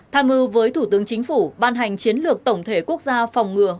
tham mưu với thủ tướng chính phủ ban hành chiến lược tổng thể quốc gia phòng ngừa